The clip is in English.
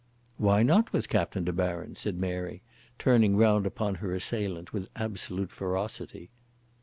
"Why not with Captain de Baron?" said Mary, turning round upon her assailant with absolute ferocity.